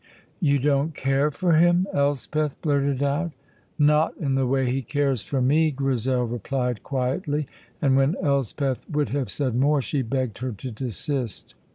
"You don't care for him!" Elspeth blurted out. "Not in the way he cares for me," Grizel replied quietly, and when Elspeth would have said more she begged her to desist.